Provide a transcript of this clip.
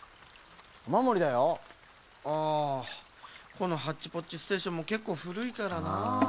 このハッチポッチステーションもけっこうふるいからなあ。